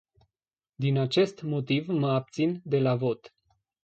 Din acest motiv mă abțin de la vot.